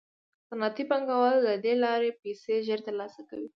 صنعتي پانګوال له دې لارې پیسې ژر ترلاسه کوي